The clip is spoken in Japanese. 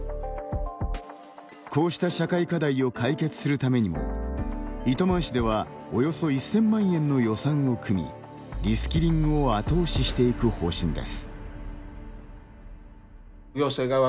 こうした社会課題を解決するためにも、糸満市ではおよそ１０００万円の予算を組みリスキリングを後押ししていく方針です。